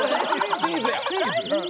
チーズや！